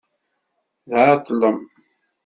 Tɛeṭlem.